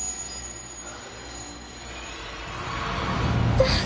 痛っ。